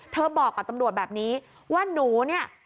บอกกับตำรวจแบบนี้ว่าหนูเนี่ย